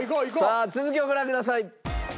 さあ続きをご覧ください。